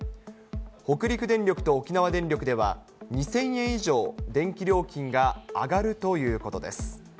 北陸電力と沖縄電力では、２０００円以上、電気料金が上がるということです。